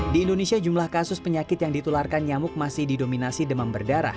di indonesia jumlah kasus penyakit yang ditularkan nyamuk masih didominasi demam berdarah